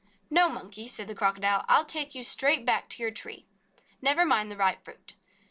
"No, Monkey," said the Crocodile, "I '11 take you straight back to your tree. Never mind the ripe fruit.